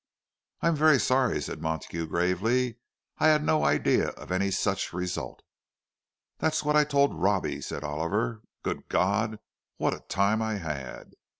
"I'm very sorry," said Montague, gravely. "I had no idea of any such result." "That's what I told Robbie," said Oliver. "Good God, what a time I had!"